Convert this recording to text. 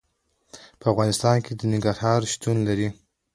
په افغانستان کې ننګرهار شتون لري.